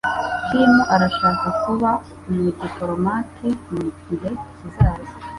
Kim arashaka kuba umudipolomate mugihe kizaza.